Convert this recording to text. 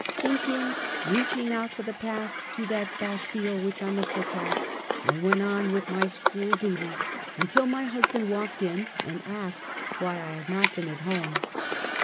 "' Thinking, reaching out for the path to that bas tile which I must attack, I went on with my school duties until my husband walked in and asked why I had not been at home.